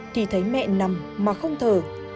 thì thấy mẹ nằm mà không thở